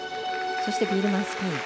そして、ビールマンスピン。